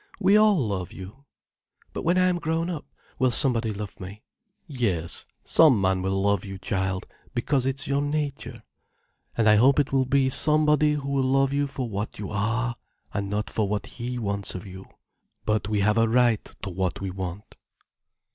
We all love you." "But when I am grown up, will somebody love me?" "Yes, some man will love you, child, because it's your nature. And I hope it will be somebody who will love you for what you are, and not for what he wants of you. But we have a right to what we want."